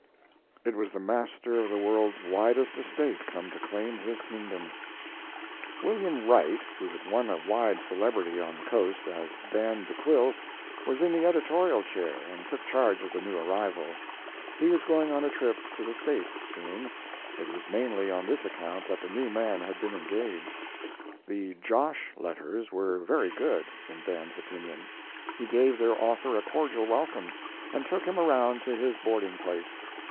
It was the master of the world's widest estate come to claim his kingdom: William Wright, who had won a wide celebrity on the Coast as Dan de Quille, was in the editorial chair and took charge of the new arrival. He was going on a trip to the States soon; it was mainly on this account that the new man had been engaged. The "Josh" letters were very good, in Dan's opinion; he gave their author a cordial welcome, and took him around to his boarding place.